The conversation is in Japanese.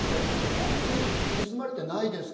本当に盗まれてないですか？